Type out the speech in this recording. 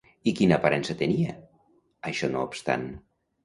I quina aparença tenia, això no obstant?